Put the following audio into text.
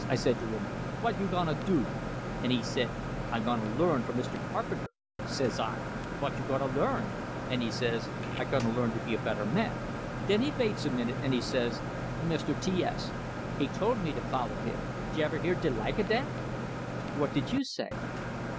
I said to him, 'Vot you gonna do?' And he said, 'I gonna learn from Mr. Carpenter.' Says I, 'Vot you gonna learn?' and he says, 'I gonna learn to be a better man.' Den he vaits a minute, and he says, 'Mr. T S, he told me to foller him!' J' ever hear de like o' dat?" "What did you say?"